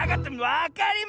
わかりました！